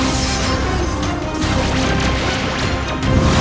istana ini tidak akan bertahan lebih lama